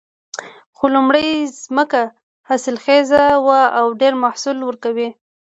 خو لومړۍ ځمکه حاصلخیزه وه او ډېر محصول ورکوي